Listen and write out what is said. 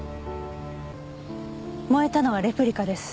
燃えたのはレプリカです。